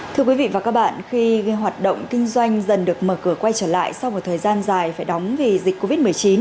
thưa quý vị và các bạn khi hoạt động kinh doanh dần được mở cửa quay trở lại sau một thời gian dài phải đóng vì dịch covid một mươi chín